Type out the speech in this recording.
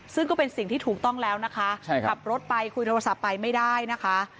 ซึ่งก็เป็นสิ่งที่ถูกต้องแล้วนะคะขับรถไปคุยโทรศัพท์ไปไม่ได้นะคะ